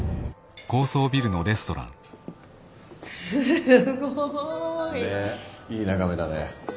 すごい。ねえいい眺めだね。